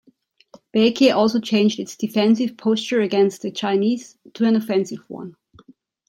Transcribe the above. Baekje also changed its defensive posture against the Chinese to an offensive one.